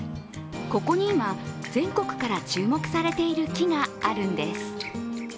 ここに今、全国から注目されている木があるんです。